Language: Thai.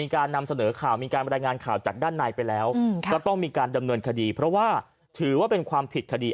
ก็ต้องมีการดำเนินคดีเพราะว่าถือว่าเป็นความผิดคดี